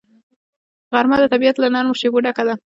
غرمه د طبیعت له نرمو شیبو ډکه ده